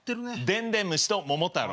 「でんでんむし」と「桃太郎」。